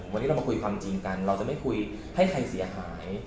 วันนี้เรามาคุยความจริงกันเราจะไม่คุยให้ใครเสียหาย